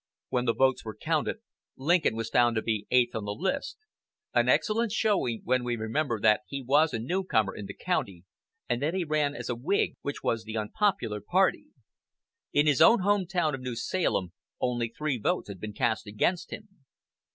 When the votes were counted, Lincoln was found to be eighth on the list an excellent showing when we remember that he was a newcomer in the county, and that he ran as a Whig, which was the unpopular party. In his own home town of New Salem only three votes had been cast against him.